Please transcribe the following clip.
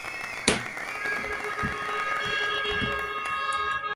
借由门边射入的晨光挑著菜